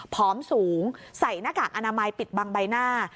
ผอมสูงใส่หน้ากากอนามัยปิดบังใบหน้า